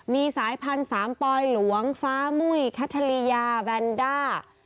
มีสายพันธุ์สามปอยหลวงฟ้ามุ้ยคัชริยาแบนด้า